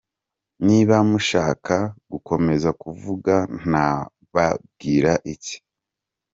Niba mushaka gukomeza kuvuga nababwira iki….